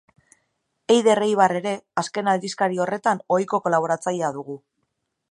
Eider Eibar ere, azken aldizkari horretan ohiko kolaboratzailea dugu.